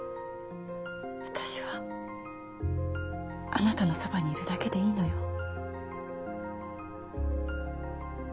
私はあなたのそばにいるだけでいいのよ。